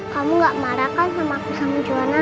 kamu gak marah kan sama aku sama juara